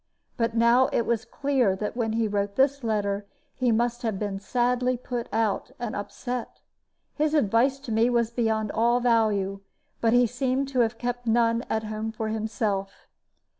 But now it was clear that when he wrote this letter he must have been sadly put out and upset. His advice to me was beyond all value; but he seemed to have kept none at home for himself.